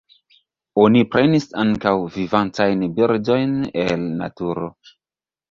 Oni prenis ankaŭ vivantajn birdojn el naturo.